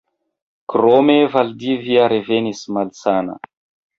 Krome Valdivia revenis malsana.